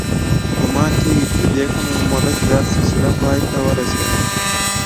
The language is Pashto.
ګومان کېږي چې په کمه موده کې دا سلسله پای ته ورسېده